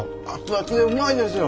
熱々でうまいですよ。